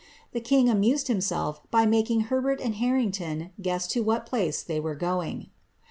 The king amused himself by making Herbert and Harrington guess to what place they were going.